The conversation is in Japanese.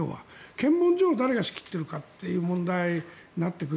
検問所を誰が仕切っているかという問題になってくる。